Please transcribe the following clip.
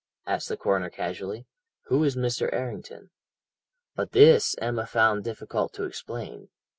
asked the coroner casually. 'Who is Mr. Errington?' "But this Emma found difficult to explain.